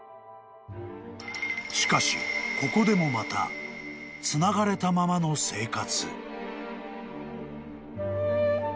［しかしここでもまたつながれたままの生活］